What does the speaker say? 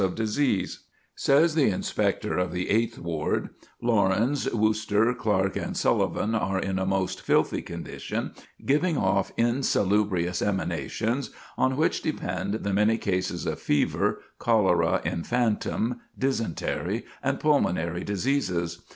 [Sidenote: Street Filth and Disease] Says the Inspector of the Eighth Ward: "Laurens, Wooster, Clark, and Sullivan are in a most filthy condition, giving off insalubrious emanations on which depend the many cases of fever, cholera infantum, dysentery, and pulmonary diseases.